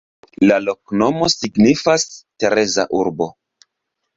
La loknomo signifas: Tereza-urbo.